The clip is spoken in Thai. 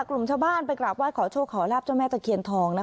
กลุ่มชาวบ้านไปกราบไห้ขอโชคขอลาบเจ้าแม่ตะเคียนทอง